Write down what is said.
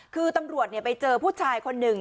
คือตำรวจในการได้ไปเจอผู้ชายคนหนึ่ง